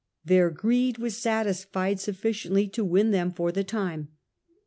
Their greed was satisfied sufficiently to win them for the time.